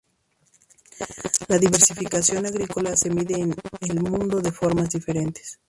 La diversificación agrícola se mide en el mundo de formas diferentes.